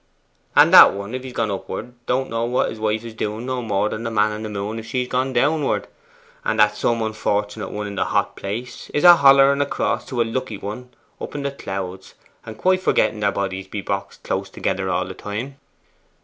'And that one, if he's gone upward, don't know what his wife is doing no more than the man in the moon if she's gone downward. And that some unfortunate one in the hot place is a hollering across to a lucky one up in the clouds, and quite forgetting their bodies be boxed close together all the time.